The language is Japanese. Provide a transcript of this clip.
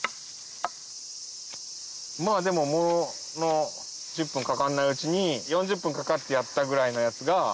まぁでも１０分かかんないうちに４０分かかってやったぐらいのやつが。